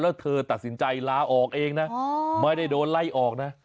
แล้วเธอตัดสินใจลาออกเองนะไม่ได้โดนไล่ออกนะ